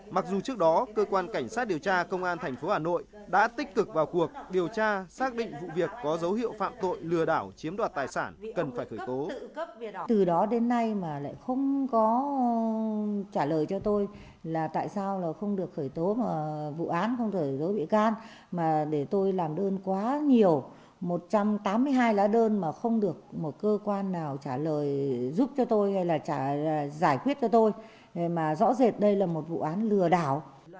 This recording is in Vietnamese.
mặc dù trước đó cơ quan cảnh sát điều tra công an thành phố hà nội đã tích cực vào cuộc điều tra xác định vụ việc có dấu hiệu phạm tội lừa đảo chiếm đoạt tài sản cần phải khởi tố